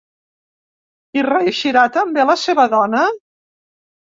Hi reeixirà també la seva dona?